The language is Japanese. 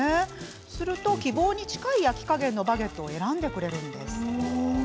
すると、希望に近い焼き加減のバゲットを選んでくれます。